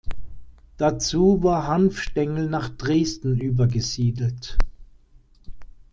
Dazu war Hanfstaengl nach Dresden übergesiedelt.